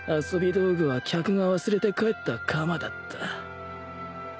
道具は客が忘れて帰った鎌だった